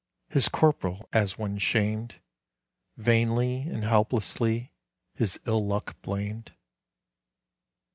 His corporal, as one shamed, Vainly and helplessly his ill luck blamed.